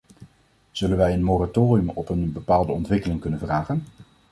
Zullen wij een moratorium op een bepaalde ontwikkeling kunnen vragen?